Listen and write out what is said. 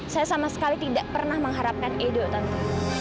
saya sama sekali tidak pernah mengharapkan edo tentu